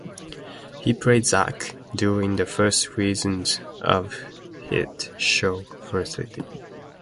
He played "Zach" during the first season of the hit show "Felicity".